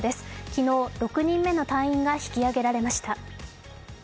昨日、６人目の隊員が引き揚げられました。